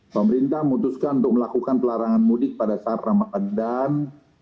dua ribu dua puluh pemerintah memutuskan untuk melakukan pelarangan mudik pada saat ramadhan